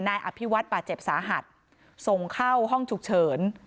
นายอภิวัตรบาดเจ็บสาหัสส่งเข้าห้องฉุกเฉิน